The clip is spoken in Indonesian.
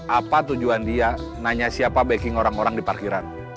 apa tujuan dia nanya siapa backing orang orang di parkiran